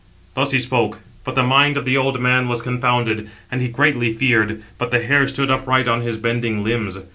Thus he spoke, but the mind of the old man was confounded, and he greatly feared; but the hair stood upright on his bending limbs.